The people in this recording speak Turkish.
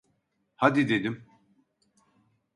Hadi dedim!